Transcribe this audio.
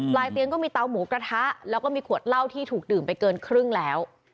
เตียงก็มีเตาหมูกระทะแล้วก็มีขวดเหล้าที่ถูกดื่มไปเกินครึ่งแล้ว